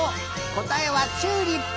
こたえはチューリップ！